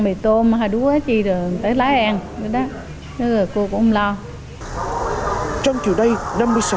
mì tôm hay đú cái gì rồi tới lái ăn rồi cô cũng lo